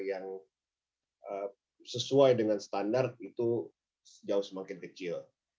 yang sesuai dengan standar itu jauh semakin kecil